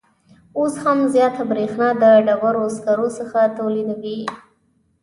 اوس هم زیاته بریښنا د ډبروسکرو څخه تولیدوي